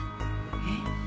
えっ？